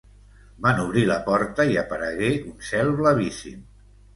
Van obrir la porta i aparegué un cel blavíssim.